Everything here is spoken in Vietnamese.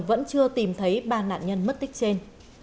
vẫn chưa tìm thấy ba nạn nhân mất tích trên